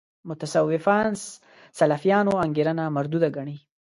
متصوفان سلفیانو انګېرنه مردوده ګڼي.